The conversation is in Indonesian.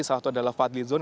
salah satu adalah fadli zon